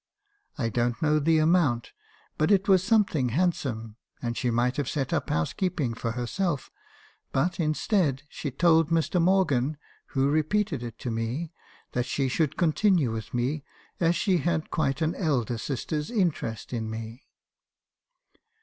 I don't know the amount, but it was something handsome, and she might have set up housekeeping for herself: but, instead, she told Mr. Morgan (who repeated it to me), that she should continue with me , as she had quite an elder sister's interest in me.